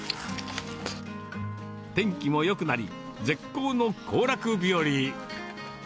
天気もよくなり、絶好の行楽日和。